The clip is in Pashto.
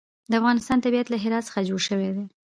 د افغانستان طبیعت له هرات څخه جوړ شوی دی.